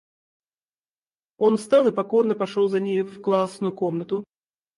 Он встал и покорно пошел за нею в классную комнату.